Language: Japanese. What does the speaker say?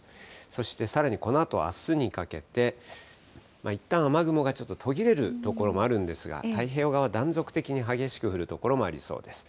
そしてさらにこのあと、あすにかけて、いったん雨雲がちょっと途切れる所もあるんですが、太平洋側、断続的に激しく降る所もありそうです。